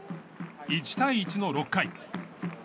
１対１の６回。